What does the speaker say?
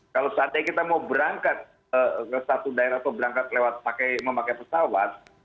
kalau saatnya kita mau berangkat ke satu daerah atau berangkat memakai pesawat